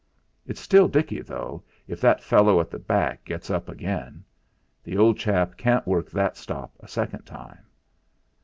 It's still dicky, though, if that fellow at the back gets up again; the old chap can't work that stop a second time.